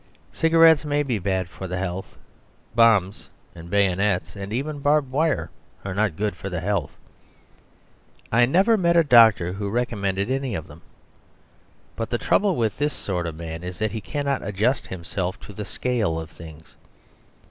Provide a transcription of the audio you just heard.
Cigarettes may be bad for the health: bombs and bayonets and even barbed wire are not good for the health. I never met a doctor who recommended any of them. But the trouble with this sort of man is that he cannot adjust himself to the scale of things.